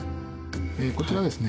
こちらはですね